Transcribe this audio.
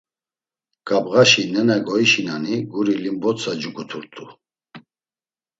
Ǩabğaşi nena goişinani guri limbotsa cuguturt̆u.